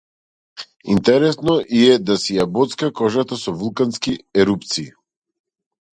Интересно и е да си ја боцка кожата со вулкански ерупции.